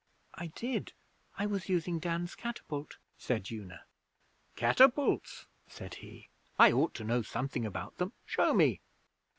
'I did. I was using Dan's catapult,' said Una. 'Catapults!' said he. 'I ought to know something about them. Show me!'